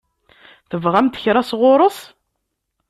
Tebɣamt kra sɣur-s?